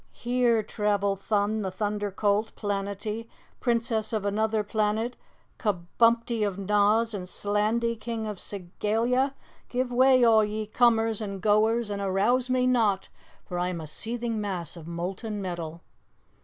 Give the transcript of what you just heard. "Here travel Thun, the Thunder Colt, Planetty, Princess of Anuther Planet; Kabumpty of Noz; and Slandy, King of Segalia! Give way, all ye comers and goers, and arouse me not, for I am a seething mass of molten metal!"